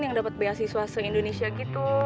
yang dapat bayar siswa se indonesia gitu